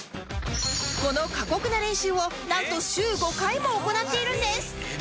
この過酷な練習をなんと週５回も行っているんです